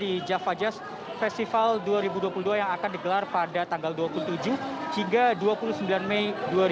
di java jazz festival dua ribu dua puluh dua yang akan digelar pada tanggal dua puluh tujuh hingga dua puluh sembilan mei dua ribu dua puluh